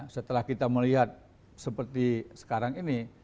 setelah kita melihat seperti sekarang ini